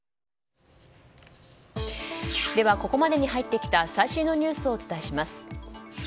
ではここまでに入ってきた最新のニュースをお伝えします。